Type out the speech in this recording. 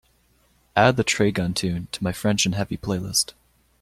Add the trey gunn tune to my French N' Heavy playlist.